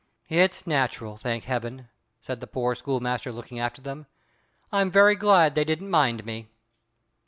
"It's natural, thank Heaven!" said the poor schoolmaster, looking after them. "I'm very glad they didn't mind me."